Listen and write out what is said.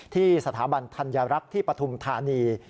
ที่สถาบันธัญรักษ์ที่ปฐุมธานี